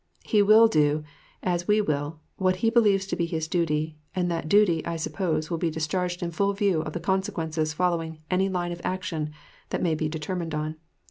He will do, as we will, what he believes to be his duty, and that duty, I suppose, will be discharged in full view of the consequences following any line of action that may be determined on.